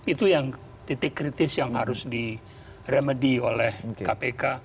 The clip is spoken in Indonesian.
itu yang titik kritis yang harus diremedy oleh kpk